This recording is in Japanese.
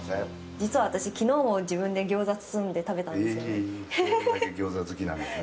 実は私、きのうも自分で餃子を包んで食べたんですよね。